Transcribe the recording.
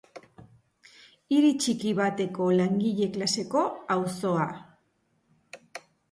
Hiri txiki bateko langile-klaseko auzoa.